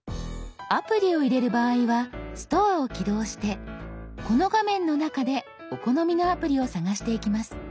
アプリを入れる場合は「ストア」を起動してこの画面の中でお好みのアプリを探していきます。